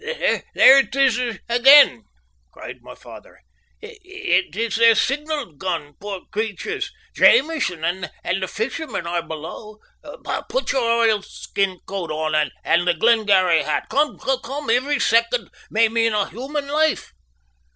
"There it is again!" cried my father. "It is their signal gun, poor creatures! Jamieson and the fishermen are below. Put your oil skin coat on and the Glengarry hat. Come, come, every second may mean a human life!"